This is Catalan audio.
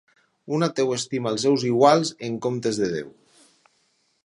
Un ateu estima els seus iguals en comptes de déu.